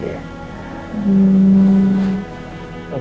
terus apa lagi